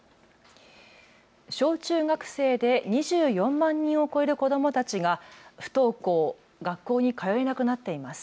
小中学生で２４万人を超える子どもたちが不登校、学校に通えなくなっています。